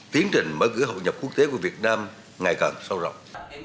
tiến trình mở cửa hội nhập quốc tế của việt nam ngày càng sâu rộng